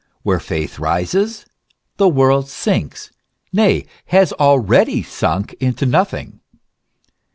Where faith rises the world sinks, nay, has already sunk into nothing.